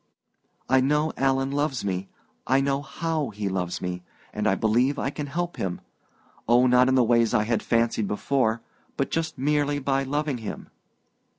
I know Alan loves me I know how he loves me and I believe I can help him oh, not in the ways I had fancied before but just merely by loving him."